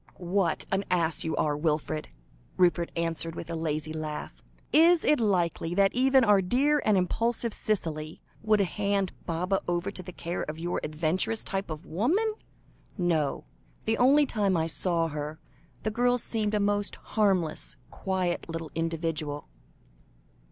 "What an ass you are, Wilfred," Rupert answered, with a lazy laugh. "Is it likely that even our dear and impulsive Cicely, would hand Baba over to the care of your adventuress type of woman? No; the only time I saw her, the girl seemed a most harmless, quiet little individual."